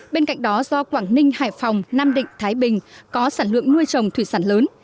bên cạnh đó do quảng ninh hải phòng nam định thái bình có sản lượng nuôi trồng thủy sản lớn